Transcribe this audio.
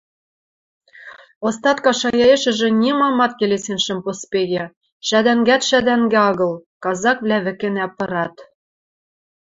Остатка шаяэшӹжӹ нимамат келесен шӹм поспейӹ: шӓдӓнгӓт шӓдӓнгӹ агыл, казаквлӓ вӹкӹнӓ пырат.